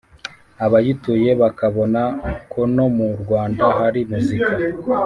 abayituye bakabona ko no mu rwanda hari muzika.